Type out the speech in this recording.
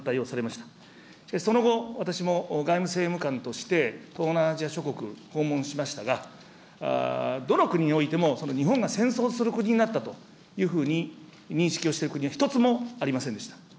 しかしその後、私も外務政務官として東南アジア諸国、訪問しましたが、どの国においても日本が戦争をする国になったというふうに認識をしている国は一つもありませんでした。